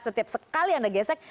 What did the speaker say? setiap sekali anda gesek